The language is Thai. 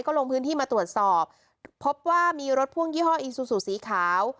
ลงพื้นที่มาตรวจสอบพบว่ามีรถพ่วงยี่ห้ออีซูซูสีขาว